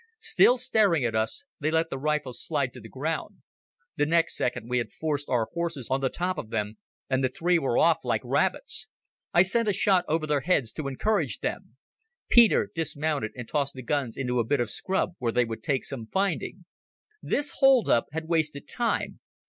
Still staring at us, they let the rifles slide to the ground. The next second we had forced our horses on the top of them, and the three were off like rabbits. I sent a shot over their heads to encourage them. Peter dismounted and tossed the guns into a bit of scrub where they would take some finding. This hold up had wasted time.